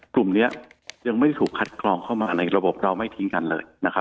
กลุ่มนี้ยังไม่ได้ถูกคัดกรองเข้ามาในระบบเราไม่ทิ้งกันเลยนะครับ